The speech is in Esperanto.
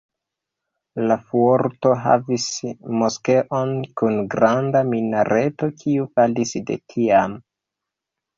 La Fuorto havis moskeon kun granda minareto kiu falis de tiam.